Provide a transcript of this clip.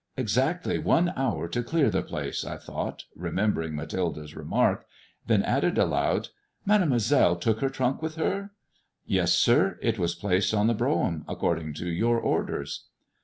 " Exactly one hour to clear the place," I thought, re membering Mathilde's remark ; then added aloud, " Made moiselle took her trunk with her ?"" Yes, sir. It was placed on the brougham, according to your orders."